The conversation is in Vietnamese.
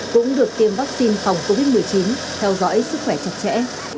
cũng được tiêm vaccine phòng covid một mươi chín theo dõi sức khỏe chặt chẽ